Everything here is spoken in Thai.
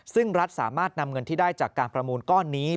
ซึ่งรัฐสามารถนำเงินที่ได้จากการประมูลก้อนนี้